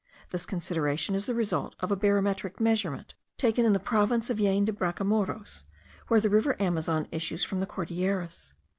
This consideration is the result of a barometric measurement, taken in the province of Jaen de Bracamoros, where the river Amazon issues from the Cordilleras.